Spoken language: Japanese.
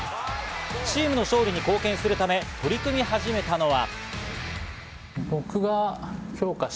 チームの勝利に貢献するため、取り組み始めたのは。